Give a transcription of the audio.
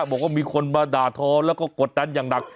บอกว่ามีคนมาด่าทอแล้วก็กดดันอย่างหนัก